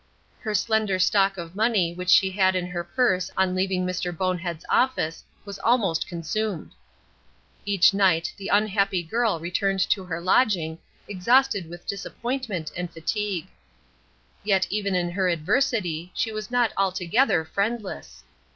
Her slender stock of money which she had in her purse on leaving Mr. Bonehead's office was almost consumed. Each night the unhappy girl returned to her lodging exhausted with disappointment and fatigue. Yet even in her adversity she was not altogether friendless.